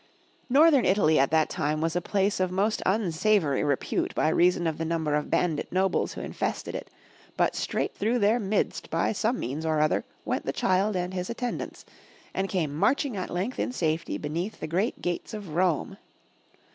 Northern Italy at that time was a place of most unsavory repute by reason of the number of bandit nobles who infested it, but straight through their midst by some means or other, went the child and his attendants, and came marching at length in safety beneath the great gates of Rome.